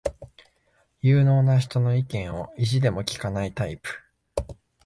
有能な人の意見を意地でも聞かないタイプ